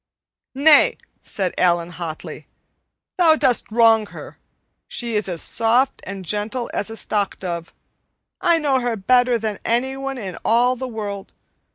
"Nay," said Allan hotly, "thou dost wrong her. She is as soft and gentle as a stockdove. I know her better than anyone in all the world.